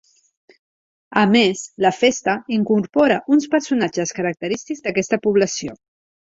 A més la festa incorpora uns personatges característics d'aquesta població.